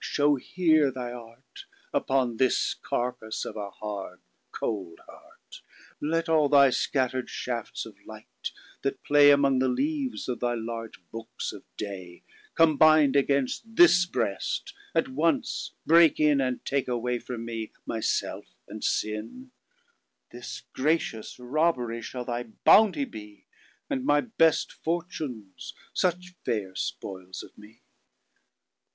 shew here thy art, Upon this carcasse of a hard, cold, hart, Let all thy scatter'd shafts of light, that playAmong the leaves of thy larg Books of day, Combin'd against this Brest at once break inAnd take away from me my self and sin, This gratious Robbery shall thy bounty be; And my best fortunes such fair spoiles of me.